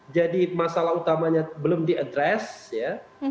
jadi masalah utamanya belum diadres ya